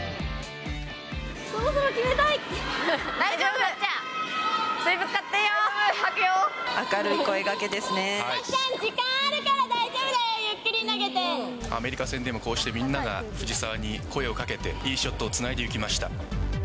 さっちゃん、時間あるから大アメリカ戦でも、こうしてみんなが藤澤に声をかけて、いいショットをつないでいきました。